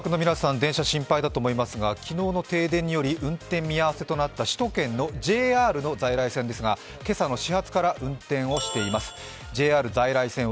電車心配だと思いますが昨日の停電により運転見合わせとなった首都圏のＪＲの在来線ですが、今朝の始発から運転をしています。